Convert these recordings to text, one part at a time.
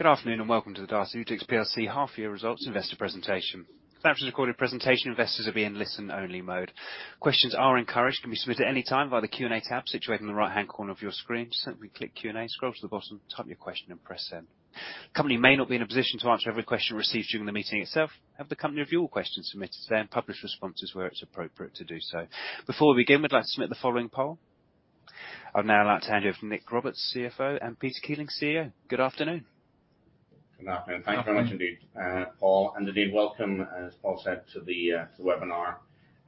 Good afternoon, and welcome to the Diaceutics PLC half year results investor presentation. After the recorded presentation, investors will be in listen-only mode. Questions are encouraged, can be submitted any time via the Q&A tab situated in the right-hand corner of your screen. Simply click Q&A, scroll to the bottom, type your question, and press send. The company may not be in a position to answer every question received during the meeting itself. We have the company review all questions submitted today, and publish responses where it's appropriate to do so. Before we begin, we'd like to submit the following poll. I'd now like to hand you over to Nick Roberts, CFO, and Peter Keeling, CEO. Good afternoon. Good afternoon. Afterno- Thank you very much indeed, Paul, and indeed, welcome, as Paul said to the webinar.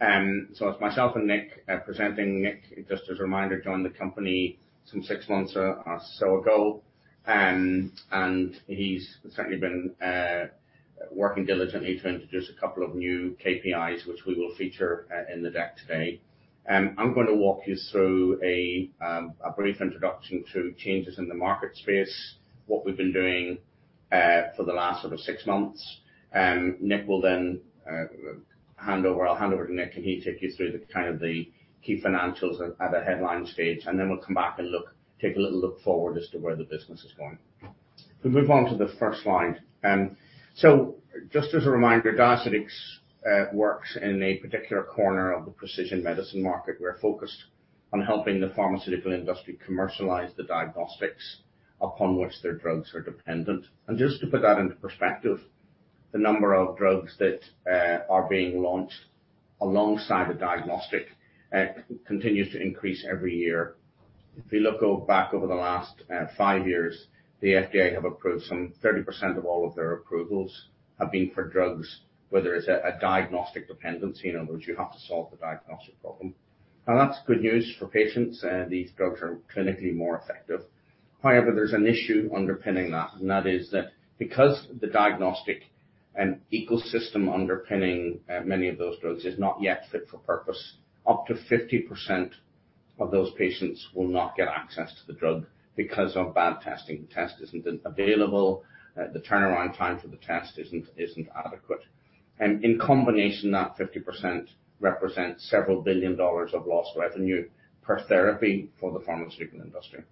It's myself and Nick presenting. Nick, just as a reminder, joined the company some six months ago. He's certainly been working diligently to introduce a couple of new KPIs which we will feature in the deck today. I'm gonna walk you through a brief introduction to changes in the market space, what we've been doing for the last sort of six months. I'll hand over to Nick, and he'll take you through the kind of the key financials at a headline stage, and then we'll come back and take a little look forward as to where the business is going. If we move on to the first slide. Just as a reminder, Diaceutics works in a particular corner of the precision medicine market. We're focused on helping the pharmaceutical industry commercialize the diagnostics upon which their drugs are dependent. To put that into perspective, the number of drugs that are being launched alongside the diagnostic continues to increase every year. If you look back over the last five years, the FDA have approved some 30% of all of their approvals have been for drugs, whether it's a diagnostic dependency. In other words, you have to solve the diagnostic problem. That's good news for patients, these drugs are clinically more effective. However, there's an issue underpinning that, and that is that because the diagnostic and ecosystem underpinning many of those drugs is not yet fit for purpose, up to 50% of those patients will not get access to the drug because of bad testing. The test isn't available, the turnaround time for the test isn't adequate. In combination, that 50% represents several billion dollars of lost revenue per therapy for the pharmaceutical industry.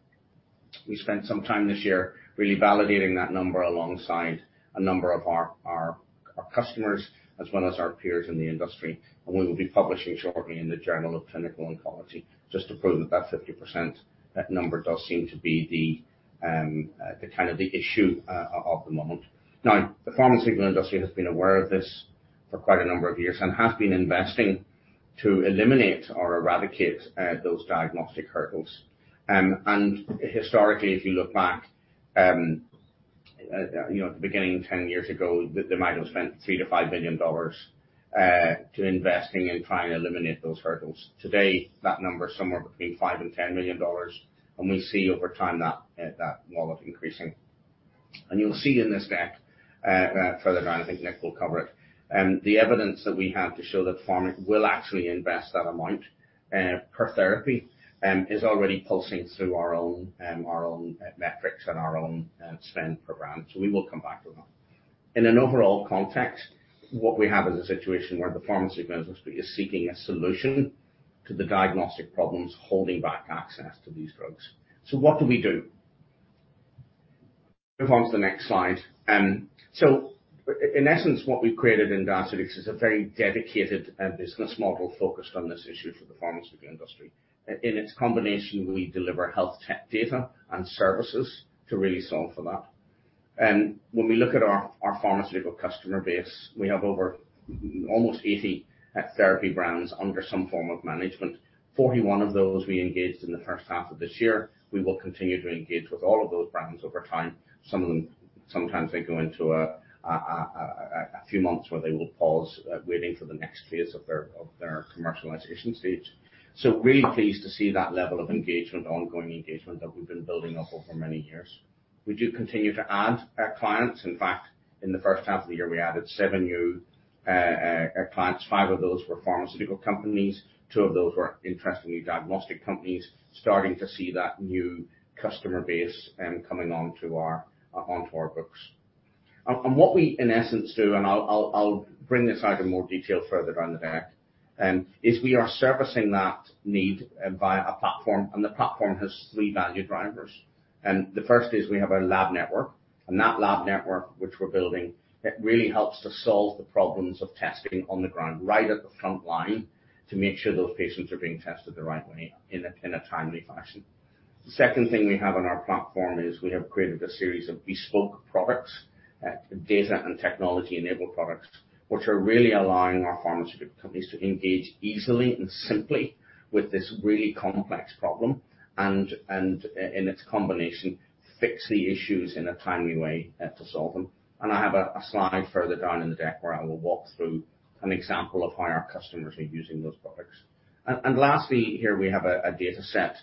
We spent some time this year really validating that number alongside a number of our customers as well as our peers in the industry, and we will be publishing shortly in the Journal of Clinical Oncology just to prove that 50%, that number does seem to be the kind of the issue of the moment. Now, the pharmaceutical industry has been aware of this for quite a number of years and has been investing to eliminate or eradicate those diagnostic hurdles. Historically, if you look back, you know, at the beginning 10 years ago, they might have spent $3-$5 million to investing in trying to eliminate those hurdles. Today, that number is somewhere between $5-$10 million, and we see over time that that wallet increasing. You'll see in this deck further down, I think Nick will cover it. The evidence that we have to show that pharma will actually invest that amount per therapy is already pulsing through our own our own metrics and our own spend programs. We will come back to that. In an overall context, what we have is a situation where the pharmaceutical industry is seeking a solution to the diagnostic problems holding back access to these drugs. What do we do? Move on to the next slide. In essence, what we've created in Diaceutics is a very dedicated business model focused on this issue for the pharmaceutical industry. In its combination, we deliver health tech data and services to really solve for that. When we look at our pharmaceutical customer base, we have over almost 80 therapy brands under some form of management. 41 of those we engaged in the first half of this year. We will continue to engage with all of those brands over time. Some of them, sometimes they go into a few months where they will pause, waiting for the next phase of their commercialization stage. Really pleased to see that level of engagement, ongoing engagement that we've been building up over many years. We do continue to add clients. In fact, in the first half of the year, we added seven new clients. Five of those were pharmaceutical companies. Two of those were interestingly diagnostic companies. Starting to see that new customer base, coming onto our books. What we in essence do, and I'll bring this out in more detail further down the deck, is we are servicing that need via a platform, and the platform has three value drivers. The first is we have our lab network. That lab network which we're building, it really helps to solve the problems of testing on the ground, right at the front line, to make sure those patients are being tested the right way in a timely fashion. The second thing we have on our platform is we have created a series of bespoke products, data and technology-enabled products, which are really allowing our pharmaceutical companies to engage easily and simply with this really complex problem and in its combination, fix the issues in a timely way, to solve them. I have a slide further down in the deck where I will walk through an example of how our customers are using those products. Lastly here, we have a data set,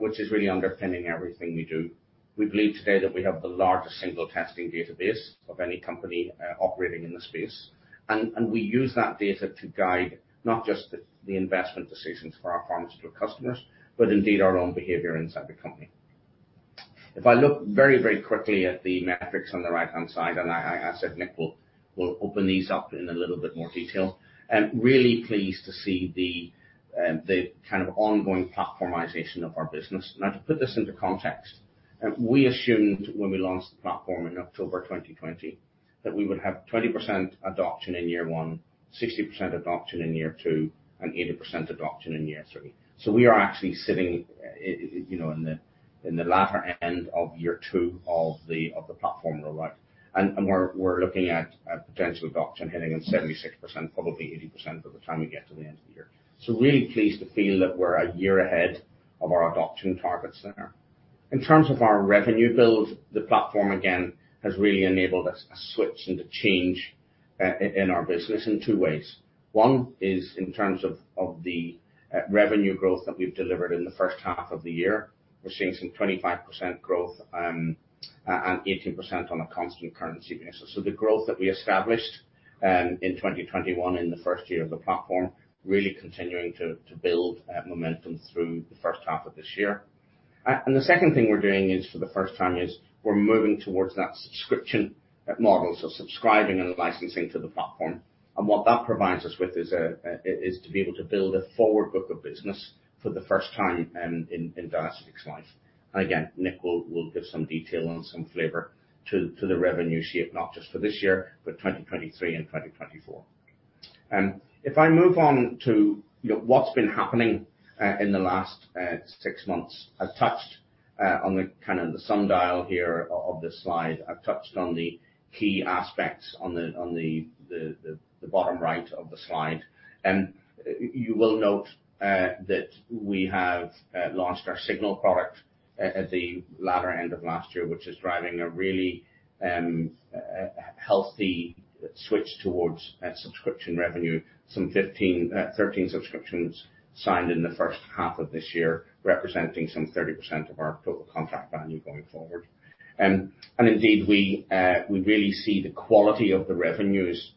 which is really underpinning everything we do. We believe today that we have the largest single testing database of any company, operating in this space. We use that data to guide not just the investment decisions for our pharmaceutical customers, but indeed our own behavior inside the company. If I look very quickly at the metrics on the right-hand side, and I said Nick will open these up in a little bit more detail. Really pleased to see the kind of ongoing platformization of our business. Now, to put this into context. We assumed when we launched the platform in October 2020, that we would have 20% adoption in year one, 60% adoption in year two, and 80% adoption in year three. We are actually sitting in the latter end of year two of the platform rollout. We're looking at potential adoption hitting at 76%, probably 80% by the time we get to the end of the year. Really pleased to feel that we're a year ahead of our adoption targets there. In terms of our revenue build, the platform again has really enabled us a switch and a change in our business in two ways. One is in terms of the revenue growth that we've delivered in the first half of the year. We're seeing some 25% growth, and 18% on a constant currency basis. The growth that we established in 2021, in the first year of the platform, really continuing to build momentum through the first half of this year. The second thing we're doing is, for the first time, we're moving towards that subscription model, so subscribing and licensing to the platform. What that provides us with is to be able to build a forward book of business for the first time in Diaceutics life. Again, Nick will give some detail and some flavor to the revenue shape, not just for this year, but 2023 and 2024. If I move on to, you know, what's been happening in the last six months. I've touched on the kind of sundial here of this slide. I've touched on the key aspects on the bottom right of the slide. You will note that we have launched our Signal product at the latter end of last year, which is driving a really healthy switch towards subscription revenue. Thirteen subscriptions signed in the first half of this year, representing 30% of our total contract value going forward. Indeed, we really see the quality of the revenues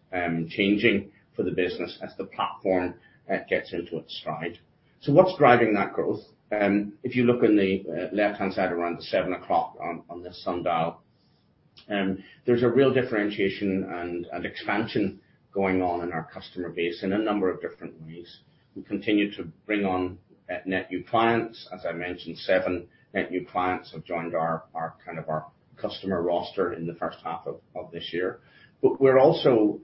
changing for the business as the platform gets into its stride. What's driving that growth? If you look in the left-hand side around the seven o'clock on this sundial, there's a real differentiation and expansion going on in our customer base in a number of different ways. We continue to bring on net new clients. As I mentioned, seven net new clients have joined our customer roster in the first half of this year. We're also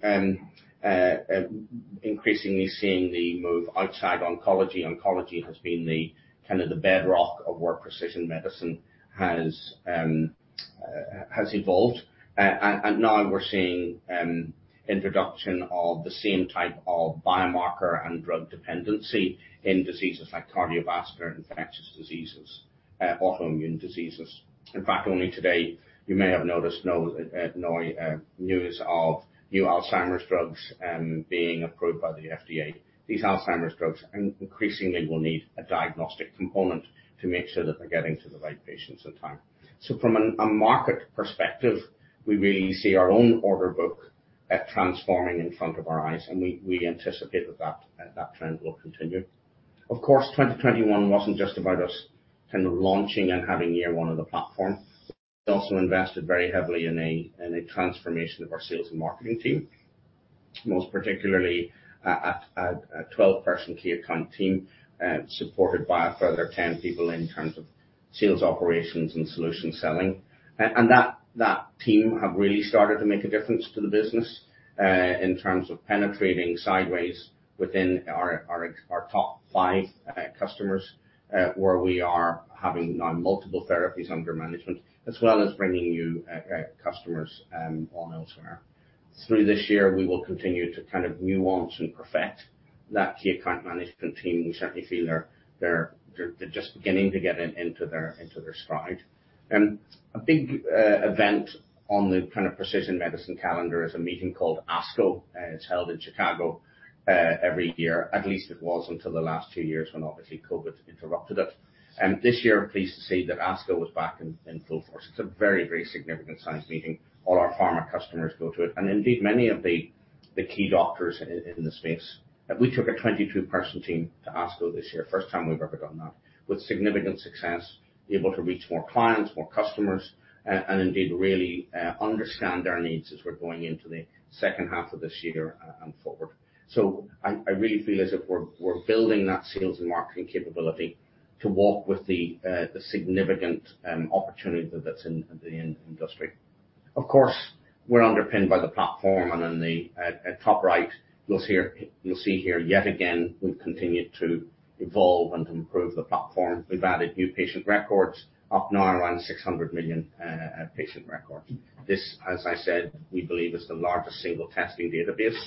increasingly seeing the move outside oncology. Oncology has been the kind of bedrock of where precision medicine has evolved. Now we're seeing introduction of the same type of biomarker and drug dependency in diseases like cardiovascular, infectious diseases, autoimmune diseases. In fact, only today, you may have noticed news of new Alzheimer's drugs being approved by the FDA. These Alzheimer's drugs increasingly will need a diagnostic component to make sure that they're getting to the right patients in time. From a market perspective, we really see our own order book transforming in front of our eyes, and we anticipate that trend will continue. Of course, 2021 wasn't just about us kind of launching and having year one of the platform. We also invested very heavily in a transformation of our sales and marketing team, most particularly a 12-person key account team, supported by a further 10 people in terms of sales operations and solution selling. That team have really started to make a difference to the business in terms of penetrating sideways within our top five customers, where we are having now multiple therapies under management, as well as bringing new customers on elsewhere. Through this year, we will continue to kind of nuance and perfect that key account management team. We certainly feel they're just beginning to get into their stride. A big event on the kind of precision medicine calendar is a meeting called ASCO. It's held in Chicago every year. At least it was until the last two years when obviously COVID interrupted it. This year, we're pleased to see that ASCO was back in full force. It's a very, very significant science meeting. All our pharma customers go to it, and indeed many of the key doctors in the space. We took a 22-person team to ASCO this year. First time we've ever done that, with significant success, able to reach more clients, more customers, and indeed really understand their needs as we're going into the second half of this year, and forward. I really feel as if we're building that sales and marketing capability to walk with the significant opportunity that's in the industry. Of course, we're underpinned by the platform, and in the top right, you'll see here yet again, we've continued to evolve and improve the platform. We've added new patient records, up now around 600 million patient records. This, as I said, we believe is the largest single testing database.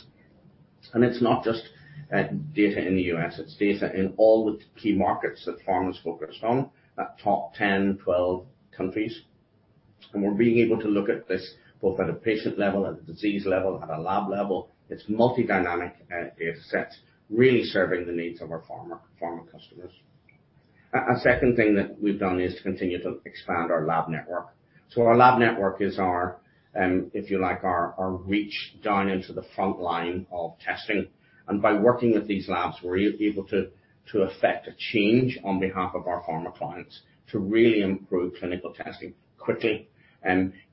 It's not just data in the US, it's data in all the key markets that pharma's focused on. That top 10-12 countries. We're being able to look at this both at a patient level, at a disease level, at a lab level. It's multi-dynamic data sets, really serving the needs of our pharma customers. A second thing that we've done is to continue to expand our lab network. Our lab network is our, if you like, our reach down into the front line of testing. By working with these labs, we're able to effect a change on behalf of our pharma clients to really improve clinical testing quickly.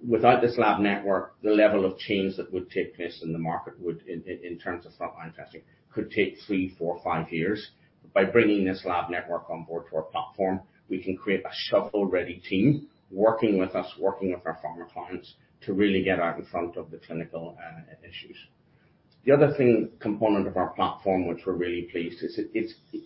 Without this lab network, the level of change that would take place in the market would in terms of frontline testing could take three, four, five years. By bringing this lab network on board to our platform, we can create a shelf-ready team working with us, working with our pharma clients to really get out in front of the clinical issues. The other thing component of our platform which we're really pleased is that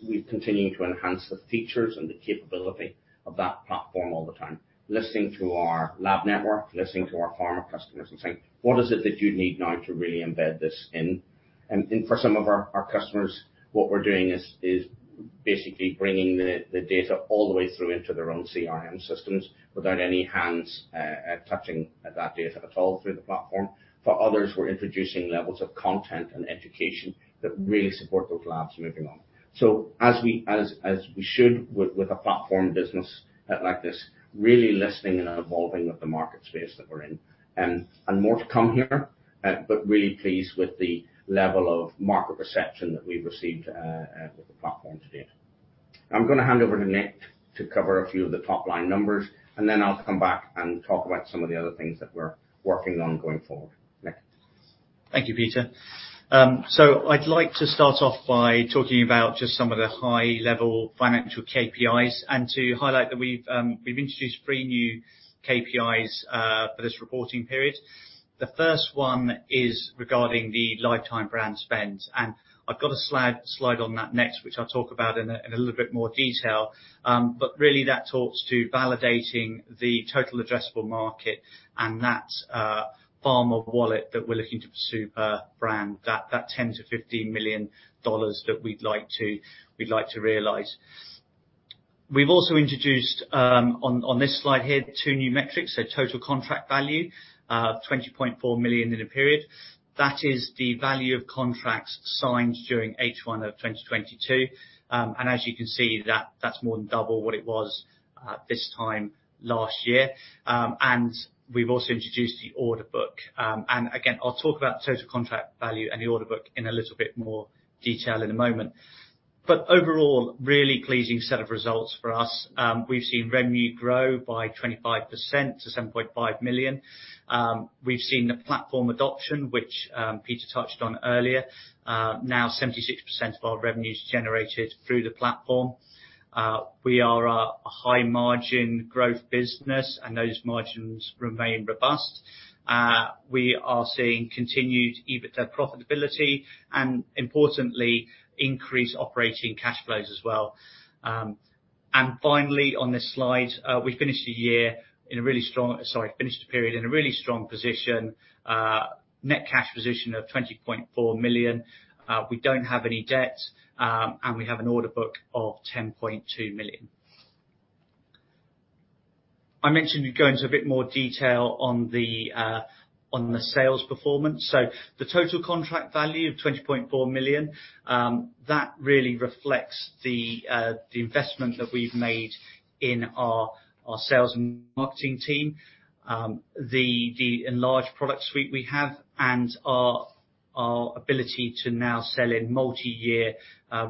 we're continuing to enhance the features and the capability of that platform all the time. Listening to our lab network, listening to our pharma customers and saying, "What is it that you need now to really embed this in?" For some of our customers, what we're doing is basically bringing the data all the way through into their own CRM systems without any hands touching that data at all through the platform. For others, we're introducing levels of content and education that really support those labs moving on. As we should with a platform business like this, really listening and evolving with the market space that we're in. More to come here, but really pleased with the level of market reception that we've received with the platform to date. I'm gonna hand over to Nick to cover a few of the top line numbers, and then I'll come back and talk about some of the other things that we're working on going forward. Nick. Thank you, Peter. I'd like to start off by talking about just some of the high-level financial KPIs and to highlight that we've introduced three new KPIs for this reporting period. The first one is regarding the lifetime brand spend, and I've got a slide on that next, which I'll talk about in a little bit more detail. But really that talks to validating the total addressable market, and that's pharma wallet that we're looking to pursue per brand. That ten to fifteen million dollars that we'd like to realize. We've also introduced on this slide here, two new metrics. Total contract value, 20.4 million in a period. That is the value of contracts signed during H1 of 2022. As you can see, that's more than double what it was at this time last year. We've also introduced the order book. Again, I'll talk about total contract value and the order book in a little bit more detail in a moment. Overall, really pleasing set of results for us. We've seen revenue grow by 25% to 7.5 million. We've seen the platform adoption, which Peter touched on earlier. Now 76% of our revenue is generated through the platform. We are a high-margin growth business, and those margins remain robust. We are seeing continued EBITDA profitability and, importantly, increased operating cash flows as well. Finally on this slide, we finished the period in a really strong position. Net cash position of 20.4 million. We don't have any debt, and we have an order book of 10.2 million. I mentioned we'd go into a bit more detail on the sales performance. The total contract value of 20.4 million really reflects the investment that we've made in our sales and marketing team. The enlarged product suite we have and our ability to now sell in multi-year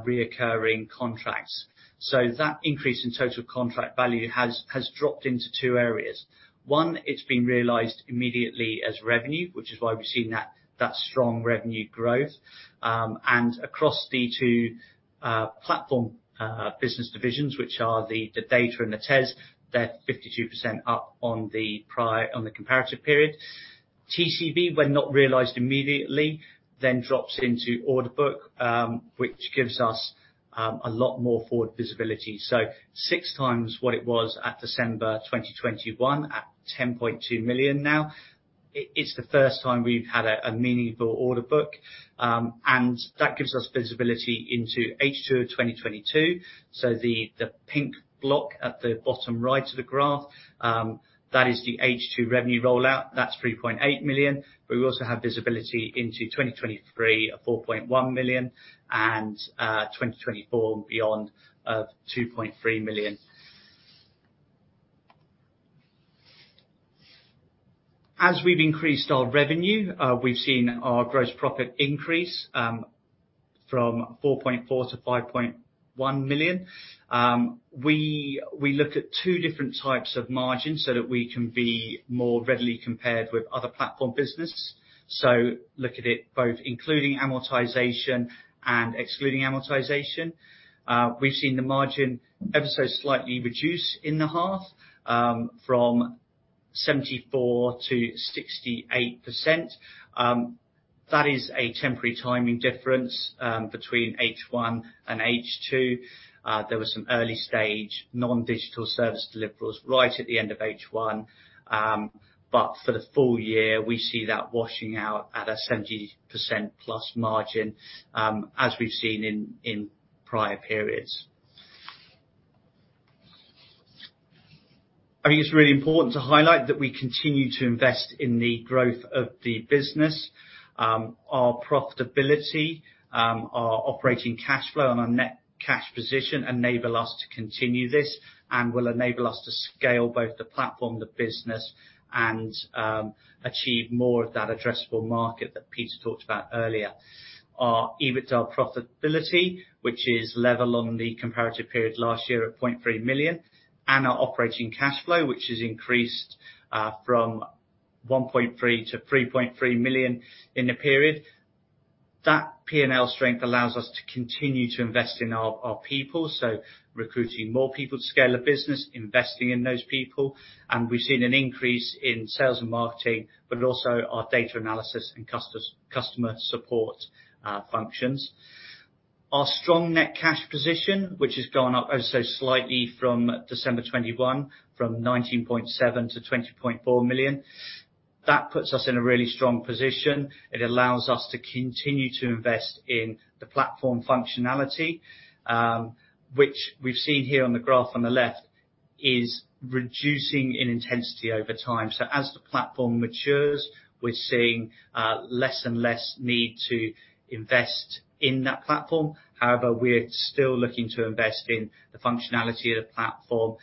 recurring contracts. That increase in total contract value has dropped into two areas. One, it's been realized immediately as revenue, which is why we've seen that strong revenue growth. Across the two platform business divisions, which are the data and the tests, they're 52% up on the comparative period. TCV, when not realized immediately, then drops into order book, which gives us a lot more forward visibility. Six times what it was at December 2021 at 10.2 million now. It's the first time we've had a meaningful order book, and that gives us visibility into H2 of 2022. The pink block at the bottom right of the graph, that is the H2 revenue rollout. That's 3.8 million. But we also have visibility into 2023 of 4.1 million and, 2024 and beyond of 2.3 million. As we've increased our revenue, we've seen our gross profit increase from 4.4 million to 5.1 million. We look at two different types of margins so that we can be more readily compared with other platform business. Look at it both including amortization and excluding amortization. We've seen the margin ever so slightly reduce in the half, from 74%-68%. That is a temporary timing difference between H1 and H2. There was some early-stage non-digital service deliverables right at the end of H1. For the full year, we see that washing out at a 70%+ margin, as we've seen in prior periods. I think it's really important to highlight that we continue to invest in the growth of the business. Our profitability, our operating cash flow and our net cash position enable us to continue this and will enable us to scale both the platform, the business and achieve more of that addressable market that Peter talked about earlier. Our EBITDA profitability, which is level on the comparative period last year at 0.3 million, and our operating cash flow, which has increased from 1.3 million to 3.3 million in the period. That P&L strength allows us to continue to invest in our people. Recruiting more people to scale the business, investing in those people, and we've seen an increase in sales and marketing, but also our data analysis and customer support functions. Our strong net cash position, which has gone up ever so slightly from December 2021, from 19.7 million to 20.4 million. That puts us in a really strong position. It allows us to continue to invest in the platform functionality, which we've seen here on the graph on the left is reducing in intensity over time. As the platform matures, we're seeing less and less need to invest in that platform. However, we're still looking to invest in the functionality of the platform.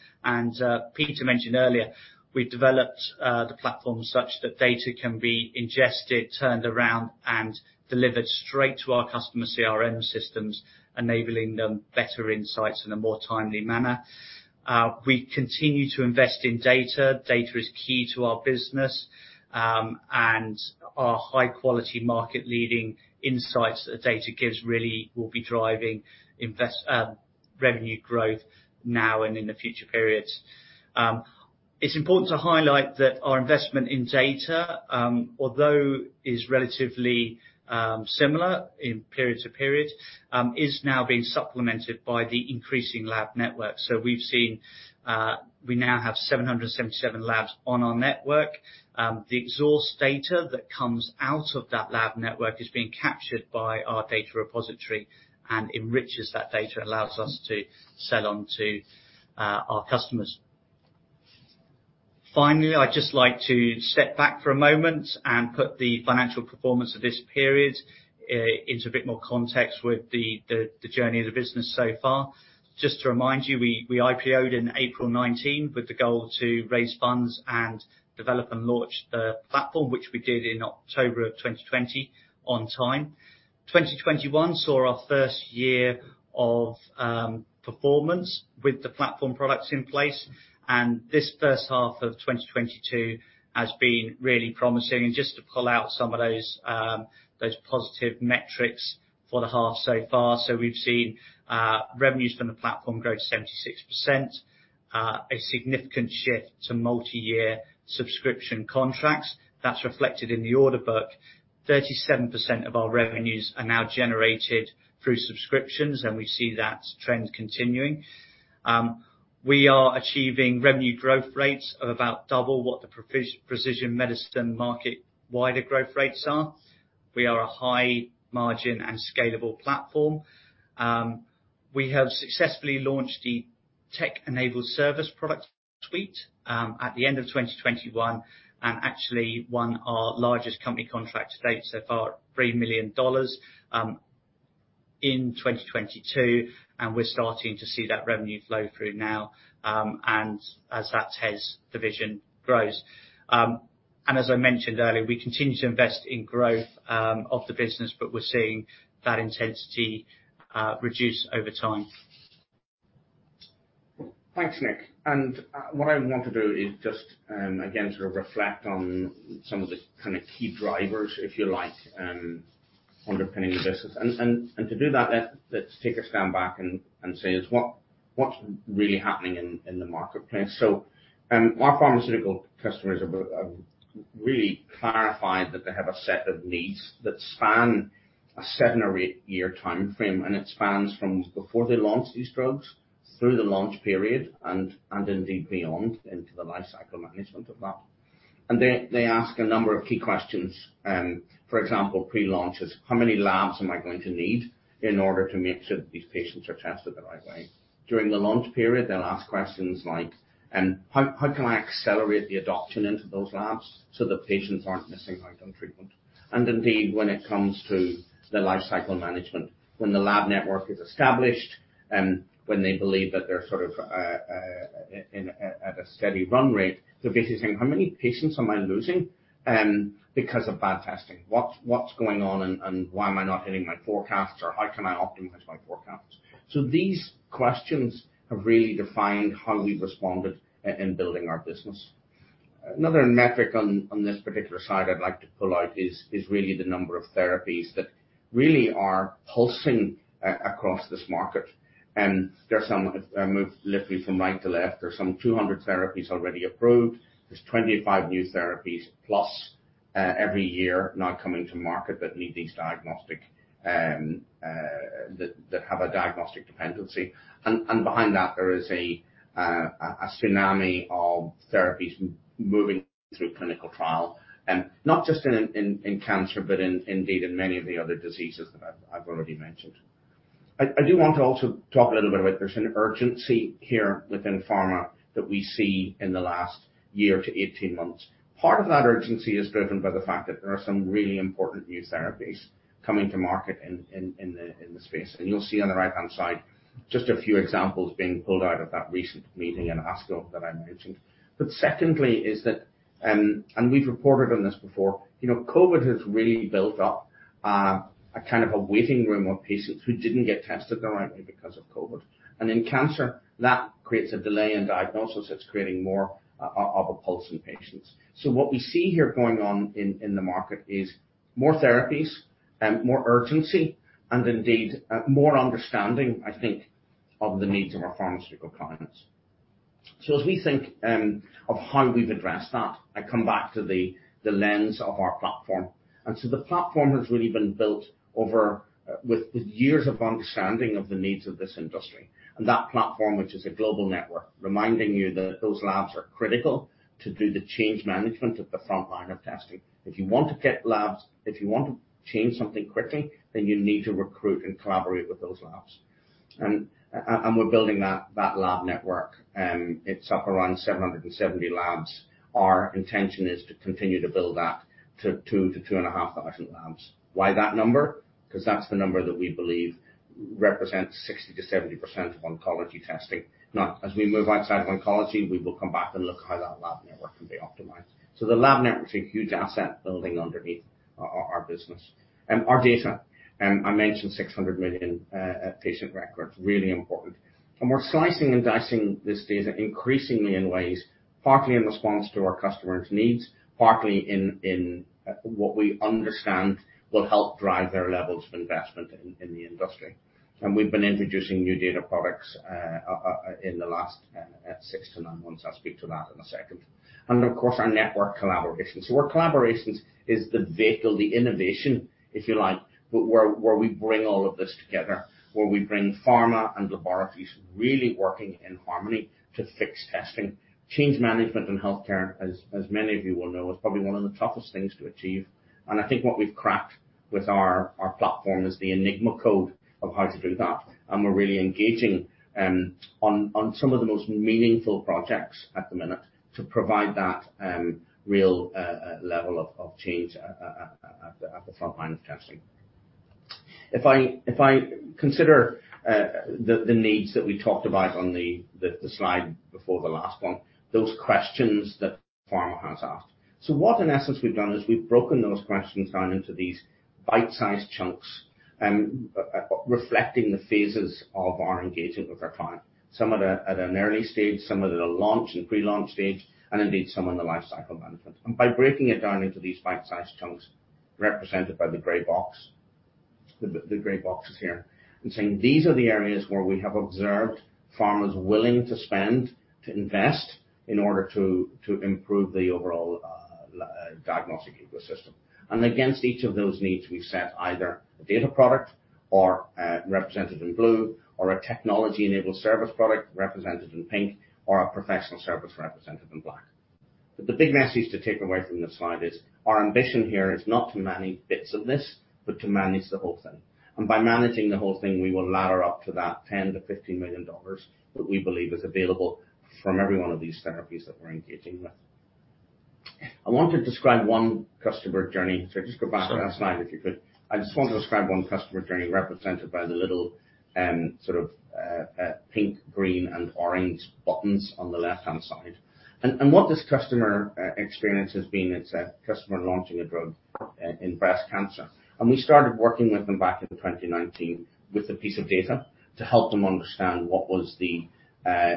Peter mentioned earlier, we developed the platform such that data can be ingested, turned around, and delivered straight to our customer CRM systems, enabling them better insights in a more timely manner. We continue to invest in data. Data is key to our business, and our high quality market leading insights that the data gives really will be driving revenue growth now and in the future periods. It's important to highlight that our investment in data, although is relatively similar in period to period, is now being supplemented by the increasing lab network. We've seen we now have 777 labs on our network. The exhaust data that comes out of that lab network is being captured by our data repository and enriches that data, allows us to sell on to our customers. Finally, I'd just like to step back for a moment and put the financial performance of this period into a bit more context with the journey of the business so far. Just to remind you, we IPO'd in April 2019 with the goal to raise funds and develop and launch the platform, which we did in October 2020 on time. 2021 saw our first year of performance with the platform products in place, and this first half of 2022 has been really promising. Just to pull out some of those positive metrics for the half so far. We've seen revenues from the platform grow 76%, a significant shift to multi-year subscription contracts. That's reflected in the order book. 37% of our revenues are now generated through subscriptions, and we see that trend continuing. We are achieving revenue growth rates of about double what the precision medicine market-wide growth rates are. We are a high margin and scalable platform. We have successfully launched the tech-enabled service product suite, at the end of 2021, and actually won our largest company contract to date so far, $3 million, in 2022, and we're starting to see that revenue flow through now, and as that TES division grows. As I mentioned earlier, we continue to invest in growth, of the business, but we're seeing that intensity, reduce over time. Thanks, Nick. What I want to do is just again sort of reflect on some of the kind of key drivers, if you like, underpinning the business. To do that, let's step back and say what's really happening in the marketplace. Our pharmaceutical customers have really clarified that they have a set of needs that span a seven- or eight-year timeframe, and it spans from before they launch these drugs through the launch period and indeed beyond into the lifecycle management of that. They ask a number of key questions. For example, pre-launch is, "How many labs am I going to need in order to make sure that these patients are tested the right way?" During the launch period, they'll ask questions like, "How can I accelerate the adoption into those labs so that patients aren't missing out on treatment?" Indeed, when it comes to the lifecycle management, when the lab network is established, when they believe that they're sort of at a steady run rate, they're basically saying, "How many patients am I losing because of bad testing? What's going on and why am I not hitting my forecasts or how can I optimize my forecasts?" These questions have really defined how we've responded in building our business. Another metric on this particular slide I'd like to pull out is really the number of therapies that really are pulsing across this market. There are some, if I move literally from right to left, there's some 200 therapies already approved. There's 25 new therapies plus every year now coming to market that need these diagnostic that have a diagnostic dependency. Behind that there is a tsunami of therapies moving through clinical trial not just in cancer, but indeed in many of the other diseases that I've already mentioned. I do want to also talk a little bit about there's an urgency here within pharma that we see in the last year to 18 months. Part of that urgency is driven by the fact that there are some really important new therapies coming to market in the space. You'll see on the right-hand side just a few examples being pulled out of that recent meeting in ASCO that I mentioned. Secondly, we've reported on this before. You know, COVID has really built up a kind of waiting room of patients who didn't get tested the right way because of COVID. In cancer, that creates a delay in diagnosis. It's creating more of a pulse in patients. What we see here going on in the market is more therapies and more urgency, and indeed, more understanding, I think, of the needs of our pharmaceutical clients. As we think of how we've addressed that, I come back to the lens of our platform. The platform has really been built over with years of understanding of the needs of this industry. That platform, which is a global network, reminding you that those labs are critical to do the change management at the front line of testing. If you want to change something quickly, then you need to recruit and collaborate with those labs. We're building that lab network. It's up around 770 labs. Our intention is to continue to build that to 2,000-2,500 labs. Why that number? Because that's the number that we believe represents 60%-70% of oncology testing. Now, as we move outside of oncology, we will come back and look how that lab network can be optimized. The lab network is a huge asset building underneath our business. Our data, I mentioned 600 million patient records, really important. We're slicing and dicing this data increasingly in ways, partly in response to our customers' needs, partly in what we understand will help drive their levels of investment in the industry. We've been introducing new data products in the last six -nine months. I'll speak to that in a second. Of course, our network collaborations. Our collaborations is the vehicle, the innovation, if you like, but where we bring all of this together, where we bring pharma and laboratories really working in harmony to fix testing. Change management in healthcare, as many of you will know, is probably one of the toughest things to achieve. I think what we've cracked with our platform is the Enigma code of how to do that. We're really engaging on some of the most meaningful projects at the minute to provide that real level of change at the frontline of testing. If I consider the needs that we talked about on the slide before the last one, those questions that pharma has asked. What in essence we've done is we've broken those questions down into these bite-sized chunks reflecting the phases of our engagement with our client. Some at an early stage, some at a launch and pre-launch stage, and indeed some in the lifecycle management. By breaking it down into these bite-sized chunks, represented by the gray boxes here, and saying, these are the areas where we have observed pharma is willing to spend, to invest in order to improve the overall diagnostic ecosystem. Against each of those needs, we set either a data product or, represented in blue, or a technology-enabled service product represented in pink or a professional service represented in black. The big message to take away from this slide is our ambition here is not to manage bits of this, but to manage the whole thing. By managing the whole thing, we will ladder up to that $10-$15 million that we believe is available from every one of these therapies that we're engaging with. I want to describe one customer journey. Just go back last slide, if you could. I just want to describe one customer journey represented by the little pink, green and orange buttons on the left-hand side. What this customer experience has been, it's a customer launching a drug in breast cancer. We started working with them back in 2019 with a piece of data to help them understand what was the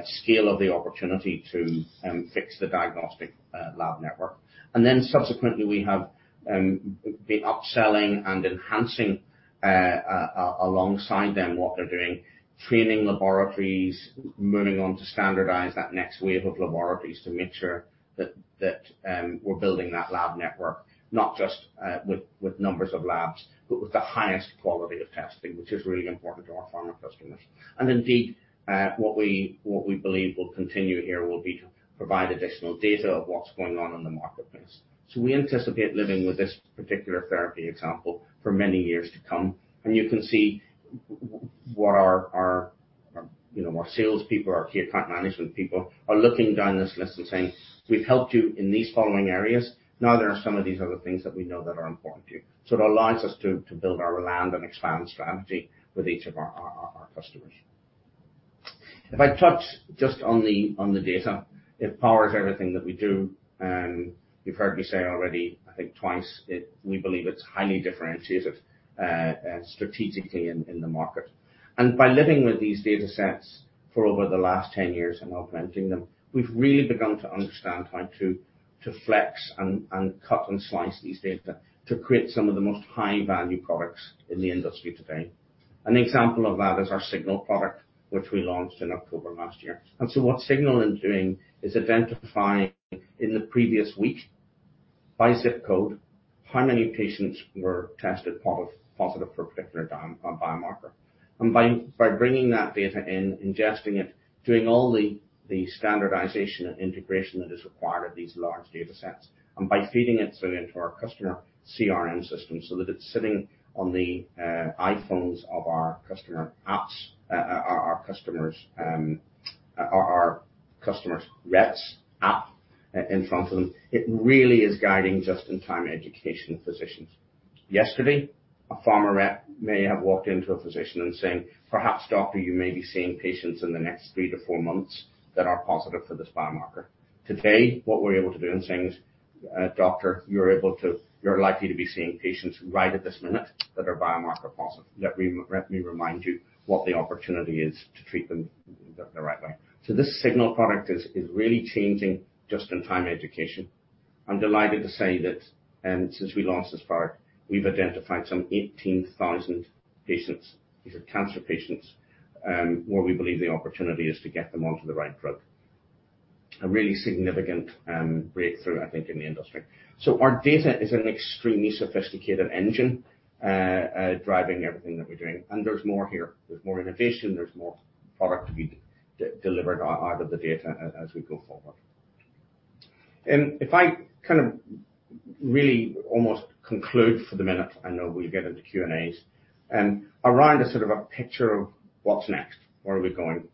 scale of the opportunity to fix the diagnostic lab network. Subsequently, we have been upselling and enhancing alongside them what they're doing, training laboratories, moving on to standardize that next wave of laboratories to make sure that we're building that lab network, not just with numbers of labs, but with the highest quality of testing, which is really important to our pharma customers. Indeed, what we believe will continue here will be to provide additional data of what's going on in the marketplace. We anticipate living with this particular therapy example for many years to come. You can see what our, you know, our salespeople, our key account management people are looking down this list and saying, "We've helped you in these following areas. Now, there are some of these other things that we know that are important to you." It allows us to build our land and expand strategy with each of our customers. If I touch just on the data, it powers everything that we do. You've heard me say already, I think twice, we believe it's highly differentiated, strategically in the market. By living with these datasets for over the last 10 years and augmenting them, we've really begun to understand how to flex and cut and slice these data to create some of the most high-value products in the industry today. An example of that is our Signal product, which we launched in October last year. What Signal is doing is identifying in the previous week by ZIP code, how many patients were tested positive for a particular biomarker. By bringing that data in, ingesting it, doing all of the standardization and integration that is required of these large datasets, and by feeding it through into our customer CRM system, so that it's sitting on the iPhones of our customer apps, our customers' reps app in front of them. It really is guiding just-in-time education physicians. Yesterday, a pharma rep may have walked into a physician and saying, "Perhaps, doctor, you may be seeing patients in the next three-four months that are positive for this biomarker." Today, what we're able to do in saying is, "Doctor, you're likely to be seeing patients right at this minute that are biomarker positive. Let me remind you what the opportunity is to treat them the right way." This Signal product is really changing just-in-time education. I'm delighted to say that since we launched this product, we've identified some 18,000 patients. These are cancer patients, where we believe the opportunity is to get them onto the right drug. A really significant breakthrough, I think, in the industry. Our data is an extremely sophisticated engine driving everything that we're doing. There's more here. There's more innovation, there's more product to be delivered out of the data as we go forward. If I kind of really almost conclude for the minute, I know we'll get into Q&As. Around a sort of a picture of what's next? Where are we going?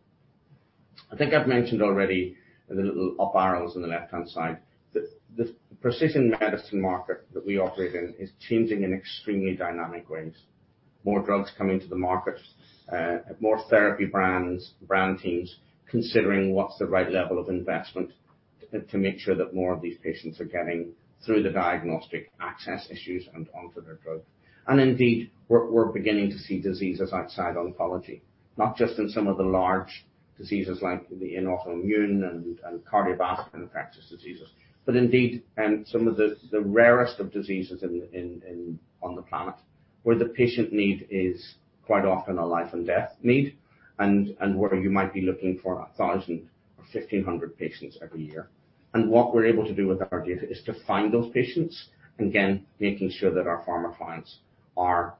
I think I've mentioned already the little up arrows on the left-hand side, the precision medicine market that we operate in is changing in extremely dynamic ways. More drugs coming to the market, more therapy brands, brand teams considering what's the right level of investment to make sure that more of these patients are getting through the diagnostic access issues and onto their drug. Indeed, we're beginning to see diseases outside oncology, not just in some of the large diseases like the autoimmune and cardiovascular infectious diseases, but indeed, some of the rarest of diseases on the planet, where the patient need is quite often a life and death need, and where you might be looking for 1,000 or 1,500 patients every year. What we're able to do with our data is to find those patients, again, making sure that our pharma clients are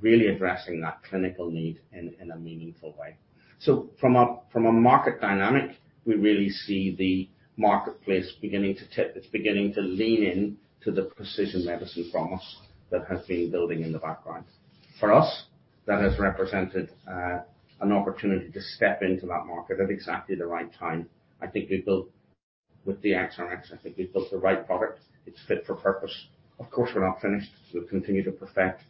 really addressing that clinical need in a meaningful way. From a market dynamic, we really see the marketplace beginning to tip. It's beginning to lean in to the precision medicine promise that has been building in the background. For us, that has represented an opportunity to step into that market at exactly the right time. With the DXRX, I think we've built the right product. It's fit for purpose. Of course, we're not finished. We'll continue to perfect,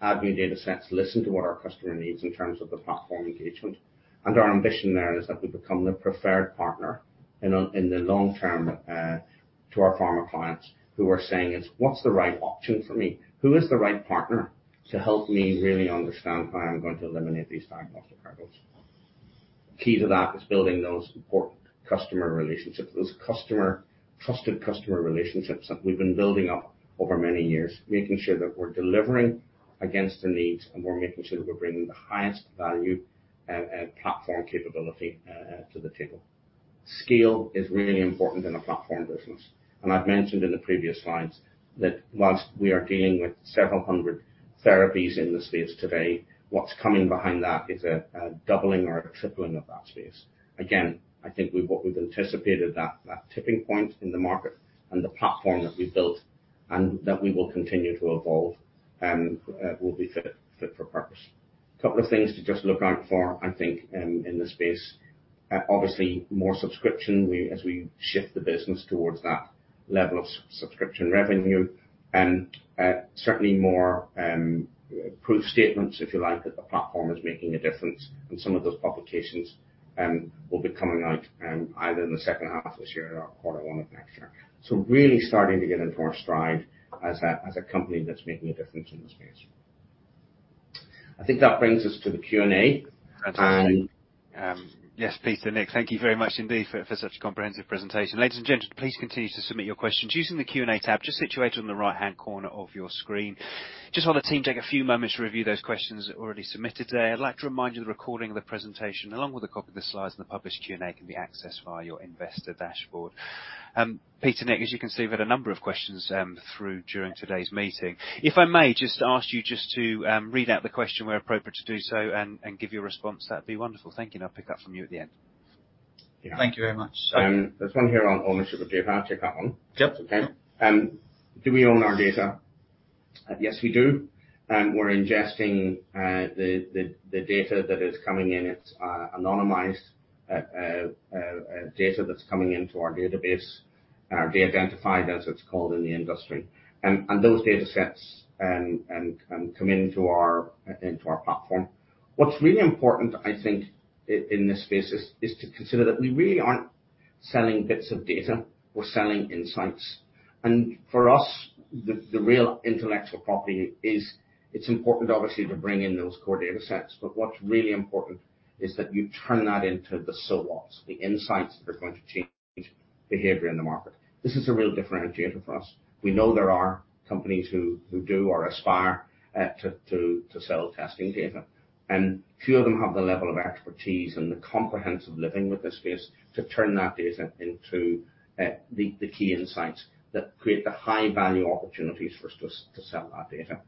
add new data sets, listen to what our customer needs in terms of the platform engagement. Our ambition there is that we become the preferred partner in the long term to our pharma clients who are saying, "What's the right option for me? Who is the right partner to help me really understand how I'm going to eliminate these diagnostic hurdles?" Key to that is building those important customer relationships. Trusted customer relationships that we've been building up over many years, making sure that we're delivering against the needs, and we're making sure that we're bringing the highest value, platform capability, to the table. Scale is really important in a platform business, and I've mentioned in the previous slides that while we are dealing with several hundred therapies in this space today, what's coming behind that is a doubling or a tripling of that space. Again, I think what we've anticipated that tipping point in the market and the platform that we've built and that we will continue to evolve, will be fit for purpose. Couple of things to just look out for, I think, in this space. Obviously more subscription we As we shift the business towards that level of subscription revenue, certainly more proof statements, if you like, that the platform is making a difference, and some of those publications will be coming out either in the second half of this year or quarter one of next year. Really starting to get into our stride as a company that's making a difference in this space. I think that brings us to the Q&A. Yes, Peter, Nick, thank you very much indeed for such a comprehensive presentation. Ladies and gentlemen, please continue to submit your questions using the Q&A tab just situated on the right-hand corner of your screen. Just while the team take a few moments to review those questions already submitted today, I'd like to remind you the recording of the presentation along with a copy of the slides and the published Q&A can be accessed via your investor dashboard. Peter, Nick, as you can see, we've had a number of questions through during today's meeting. If I may just ask you just to read out the question where appropriate to do so and give your response, that'd be wonderful. Thank you, and I'll pick up from you at the end. Yeah. Thank you very much. There's one here on ownership of data. I'll take that one. Yep. Okay. Do we own our data? Yes, we do. We're ingesting the data that is coming in. It's anonymized data that's coming into our database, de-identified as it's called in the industry. And those data sets come into our platform. What's really important, I think, in this space is to consider that we really aren't selling bits of data, we're selling insights. For us, the real intellectual property is it's important obviously to bring in those core data sets, but what's really important is that you turn that into the so what, the insights that are going to change behavior in the market. This is a real differentiator for us. We know there are companies who do or aspire to sell testing data, and few of them have the level of expertise and the comprehensive living with this space to turn that data into the key insights that create the high-value opportunities for us to sell that data.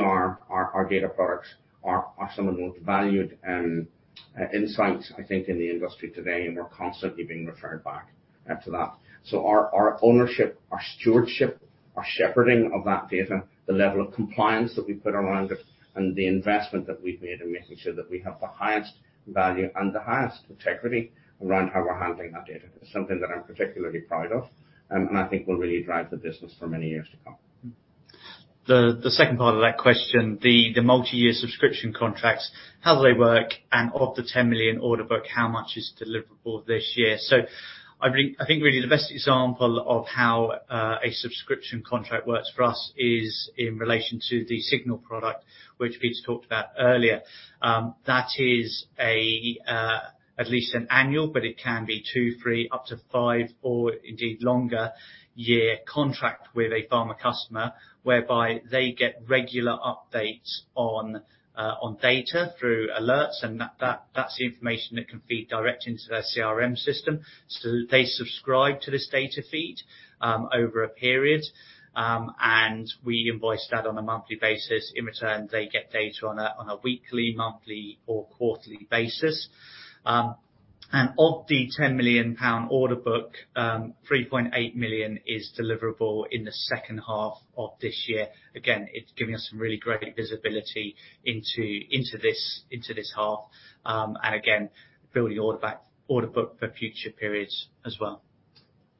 Our data products are some of the most valued insights I think in the industry today, and we're constantly being referred back to that. Our ownership, our stewardship, our shepherding of that data, the level of compliance that we put around it and the investment that we've made in making sure that we have the highest value and the highest integrity around how we're handling that data is something that I'm particularly proud of, and I think will really drive the business for many years to come. The second part of that question, the multi-year subscription contracts, how do they work? Of the 10 million order book, how much is deliverable this year? I think really the best example of how a subscription contract works for us is in relation to the Signal product, which Pete's talked about earlier. That is at least an annual, but it can be two, three, up to five or indeed longer year contract with a pharma customer whereby they get regular updates on data through alerts, and that's the information that can feed directly into their CRM system. They subscribe to this data feed over a period, and we invoice that on a monthly basis. In return, they get data on a weekly, monthly, or quarterly basis. Of the 10 million pound order book, 3.8 million is deliverable in the second half of this year. Again, it's giving us some really great visibility into this half, and again, building order book for future periods as well.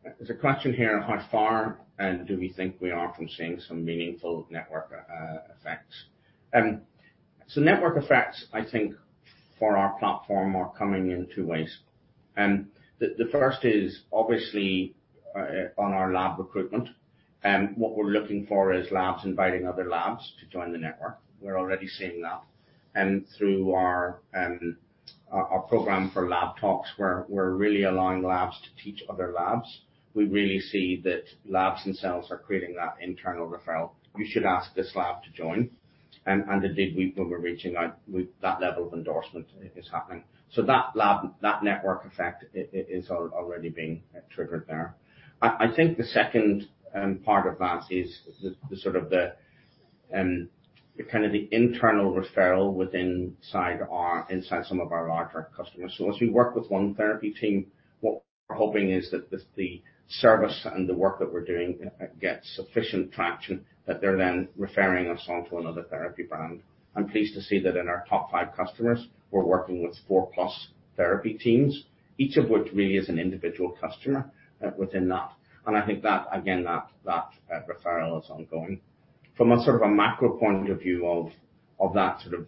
There's a question here. How far do we think we are from seeing some meaningful network effects? Network effects, I think, for our platform are coming in two ways. The first is obviously on our lab recruitment. What we're looking for is labs inviting other labs to join the network. We're already seeing that. Through our program for Lab Talks, we're really allowing labs to teach other labs. We really see that labs themselves are creating that internal referral. "You should ask this lab to join." Indeed what we're reaching out with that level of endorsement is happening. That lab network effect is already being triggered there. I think the second part of that is the sort of the kind of the internal referral inside some of our larger customers. As we work with one therapy team, what we're hoping is that the service and the work that we're doing gets sufficient traction, that they're then referring us on to another therapy brand. I'm pleased to see that in our top five customers, we're working with four plus therapy teams, each of which really is an individual customer within that. I think that, again, that referral is ongoing. From a sort of a macro point of view of that sort of,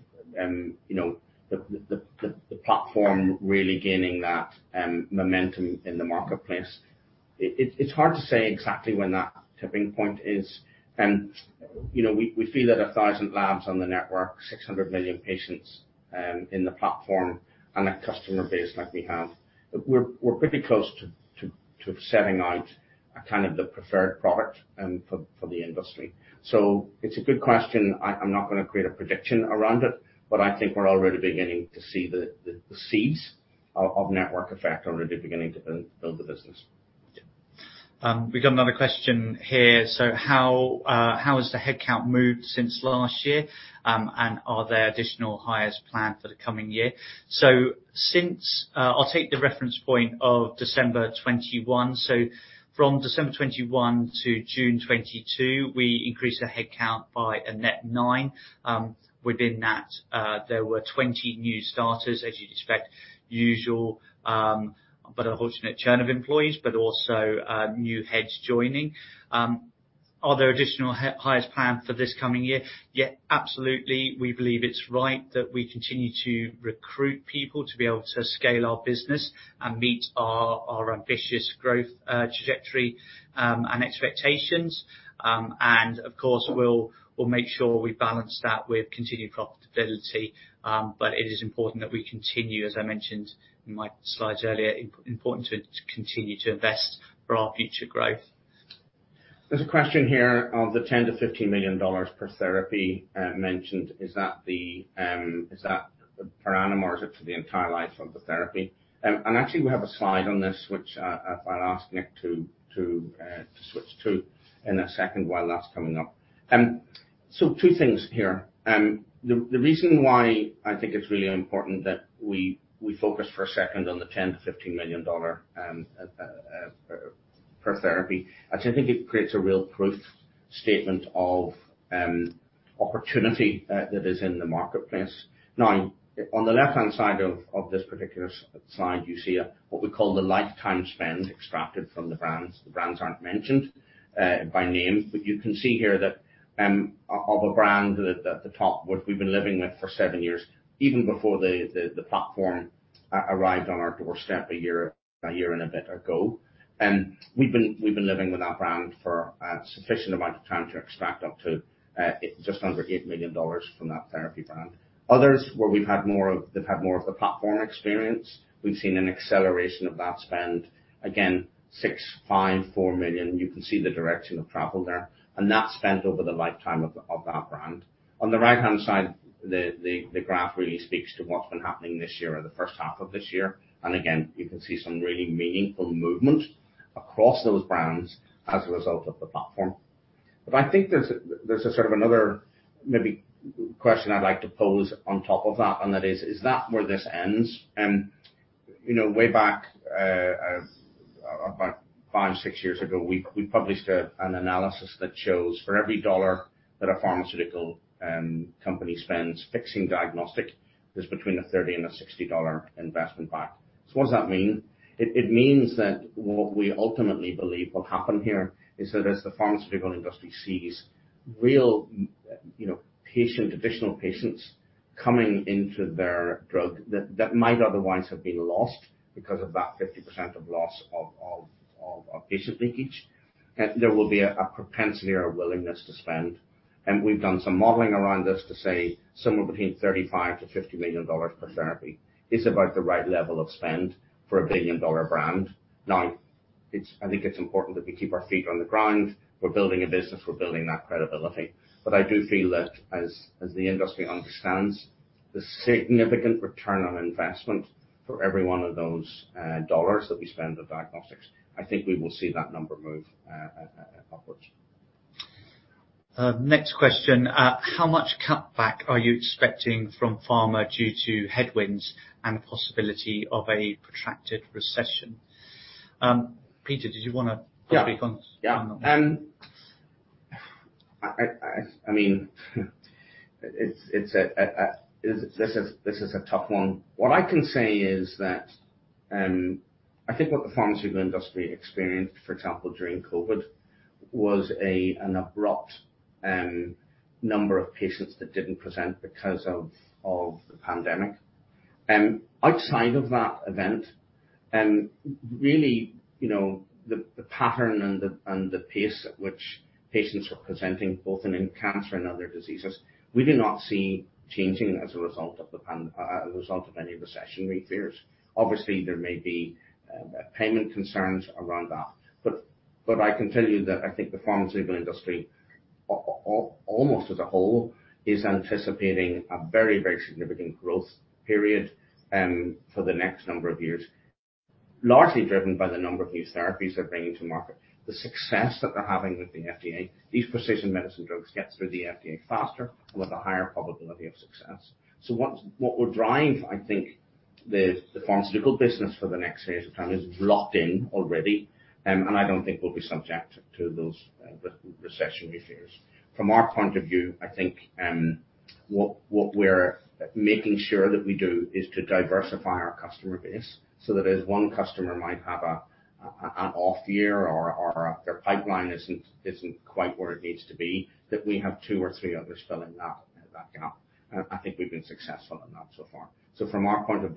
you know, the platform really gaining that momentum in the marketplace, it's hard to say exactly when that tipping point is. You know, we feel that 1,000 labs on the network, 600 million patients in the platform and a customer base like we have, we're pretty close to setting out a kind of the preferred product for the industry. It's a good question. I'm not gonna create a prediction around it, but I think we're already beginning to see the seeds of network effect already beginning to build the business. We've got another question here. How has the headcount moved since last year, and are there additional hires planned for the coming year? Since I'll take the reference point of December 2021. From December 2021 to June 2022, we increased the headcount by a net nine. Within that, there were 20 new starters, as you'd expect. Usual, but an ultimate churn of employees, but also, new heads joining. Are there additional hires planned for this coming year? Yeah, absolutely. We believe it's right that we continue to recruit people to be able to scale our business and meet our ambitious growth trajectory and expectations. Of course, we'll make sure we balance that with continued profitability. It is important that we continue, as I mentioned in my slides earlier, important to continue to invest for our future growth. There's a question here. Of the $10-$15 million per therapy mentioned, is that per annum or is it for the entire life of the therapy? Actually we have a slide on this which, if I'd ask Nick to switch to in a second while that's coming up. Two things here. The reason why I think it's really important that we focus for a second on the $10-$15 million per therapy, I think it creates a real proof statement of opportunity that is in the marketplace. Now, on the left-hand side of this particular slide, you see what we call the lifetime spend extracted from the brands. The brands aren't mentioned by name, but you can see here that of a brand at the top, what we've been living with for seven years, even before the platform arrived on our doorstep a year and a bit ago. We've been living with that brand for a sufficient amount of time to extract up to just under $8 million from that therapy brand. Others, where we've had more of, they've had more of the platform experience, we've seen an acceleration of that spend. Again, $6 million, $5 million, $4 million. You can see the direction of travel there, and that's spent over the lifetime of that brand. On the right-hand side, the graph really speaks to what's been happening this year or the first half of this year. Again, you can see some really meaningful movement across those brands as a result of the platform. I think there's a sort of another maybe question I'd like to pose on top of that, and that is. Is that where this ends? You know, way back, five, six years ago, we published an analysis that shows for every $1 that a pharmaceutical company spends fixing diagnostic, there's between a $30 and a $60 dollar investment back. What does that mean? It means that what we ultimately believe will happen here is that as the pharmaceutical industry sees real, you know, additional patients coming into their drug that might otherwise have been lost because of that 50% of loss of patient leakage. There will be a propensity or a willingness to spend. We've done some modeling around this to say somewhere between $35 million-$50 million per therapy is about the right level of spend for a billion-dollar brand. Now, I think it's important that we keep our feet on the ground. We're building a business, we're building that credibility. I do feel that as the industry understands the significant return on investment for every one of those dollars that we spend on diagnostics, I think we will see that number move upwards. Next question. How much cutback are you expecting from pharma due to headwinds and the possibility of a protracted recession? Peter, did you wanna? Yeah. Probably go on that one. I mean, this is a tough one. What I can say is that I think what the pharmaceutical industry experienced, for example, during COVID, was an abrupt number of patients that didn't present because of the pandemic. Outside of that event, really, you know, the pattern and the pace at which patients were presenting, both in cancer and other diseases, we do not see changing as a result of any recessionary fears. Obviously, there may be payment concerns around that. I can tell you that I think the pharmaceutical industry almost as a whole is anticipating a very, very significant growth period for the next number of years. Largely driven by the number of new therapies they're bringing to market. The success that they're having with the FDA. These precision medicine drugs get through the FDA faster with a higher probability of success. So what will drive, I think, the pharmaceutical business for the next phase of time is locked in already. I don't think we'll be subject to those recessionary fears. From our point of view, I think, what we're making sure that we do is to diversify our customer base, so that as one customer might have an off year or their pipeline isn't quite where it needs to be, that we have two or three others filling that and backing up. I think we've been successful in that so far. From our point of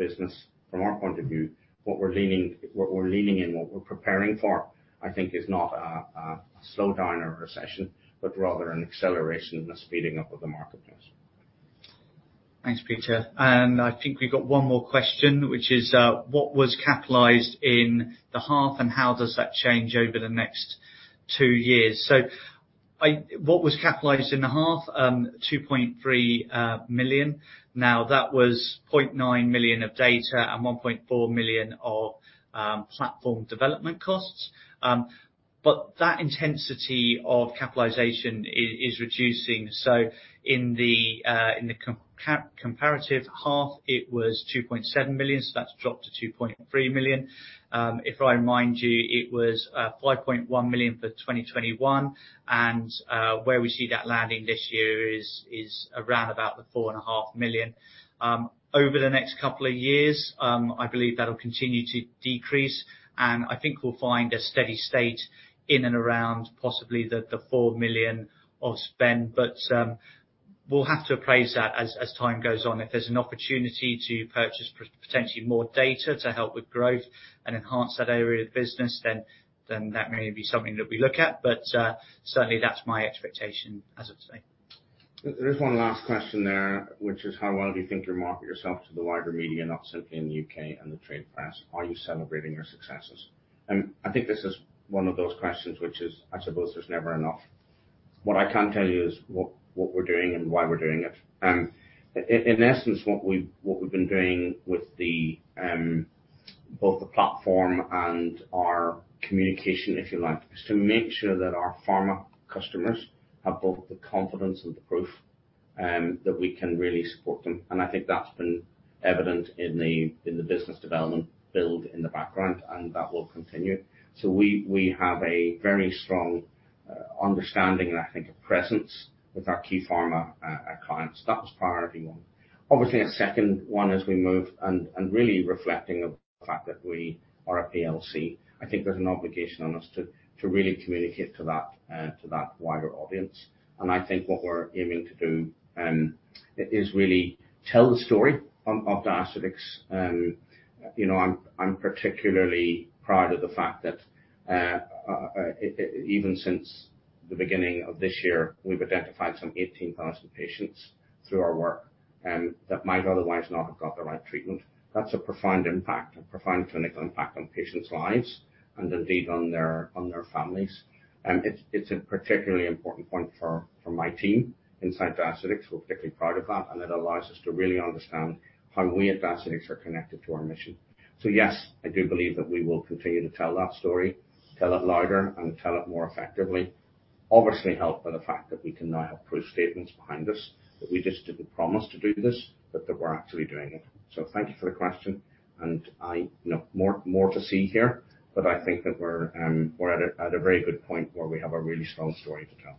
view, what we're leaning in, what we're preparing for, I think, is not a slowdown or a recession, but rather an acceleration and a speeding up of the marketplace. Thanks, Peter. I think we've got one more question, which is, what was capitalized in the half and how does that change over the next two years? What was capitalized in the half, 2.3 million. Now, that was 0.9 million of data and 1.4 million of platform development costs. But that intensity of capitalization is reducing. In the comparative half, it was 2.7 million. That's dropped to 2.3 million. If I remind you, it was 5.1 million for 2021. Where we see that landing this year is around about four and a half million. Over the next couple of years, I believe that'll continue to decrease, and I think we'll find a steady state in and around possibly the 4 million of spend. We'll have to appraise that as time goes on. If there's an opportunity to purchase potentially more data to help with growth and enhance that area of the business, then that may be something that we look at. Certainly that's my expectation as of today. There is one last question there, which is how well do you think you market yourself to the wider media, not simply in the UK and the trade press? Are you celebrating your successes? I think this is one of those questions which is, I suppose there's never enough. What I can tell you is what we're doing and why we're doing it. In essence, what we've been doing with both the platform and our communication, if you like, is to make sure that our pharma customers have both the confidence and the proof that we can really support them. I think that's been evident in the business development build in the background, and that will continue. We have a very strong understanding and I think a presence with our key pharma clients. That's priority one. Obviously, a second one as we move and really reflecting of the fact that we are a PLC. I think there's an obligation on us to really communicate to that wider audience. I think what we're aiming to do is really tell the story of Diaceutics. You know, I'm particularly proud of the fact that even since the beginning of this year, we've identified some 18,000 patients through our work that might otherwise not have got the right treatment. That's a profound impact, a profound clinical impact on patients' lives and indeed on their families. It's a particularly important point for my team inside Diaceutics. We're particularly proud of that, and it allows us to really understand how we at Diaceutics are connected to our mission. Yes, I do believe that we will continue to tell that story, tell it louder and tell it more effectively. Obviously helped by the fact that we can now have proof statements behind us, that we just didn't promise to do this, but that we're actually doing it. Thank you for the question. I, you know, more to see here, but I think that we're at a very good point where we have a really strong story to tell.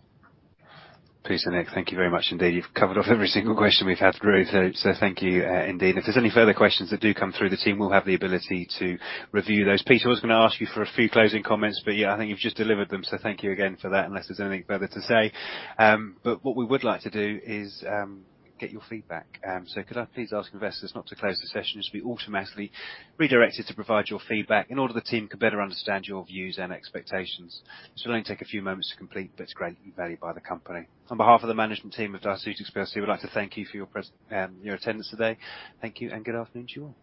Peter, Nick, thank you very much indeed. You've covered off every single question we've had through, so thank you indeed. If there's any further questions that do come through, the team will have the ability to review those. Peter, I was gonna ask you for a few closing comments, but yeah, I think you've just delivered them. Thank you again for that unless there's anything further to say. What we would like to do is get your feedback. Could I please ask investors not to close the session? You should be automatically redirected to provide your feedback in order that the team can better understand your views and expectations. This will only take a few moments to complete, but it's greatly valued by the company. On behalf of the management team of Diaceutics PLC, we'd like to thank you for your attendance today. Thank you and good afternoon to you all.